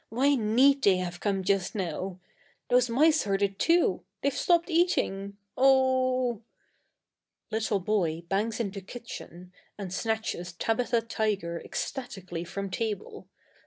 Why need they have come just now? Those mice heard it, too they've stopped eating. Oh h h! (Little boy bangs into kitchen and snatches Tabitha Tiger ecstatically from table.